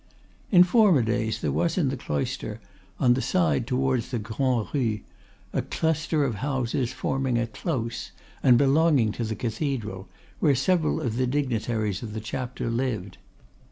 In former days there was in the Cloister, on the side towards the Grand'Rue, a cluster of houses forming a Close and belonging to the cathedral, where several of the dignitaries of the Chapter lived.